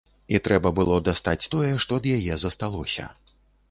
І трэба было дастаць тое, што ад яе засталося.